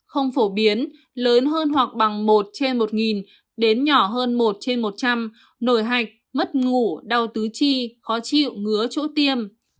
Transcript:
không phổ biến lớn hơn hoặc bằng một trên một đến nhỏ hơn một trên một trăm linh nổi hạch mất ngủ đau tứ chi khó chịu ngứa chỗ tiêm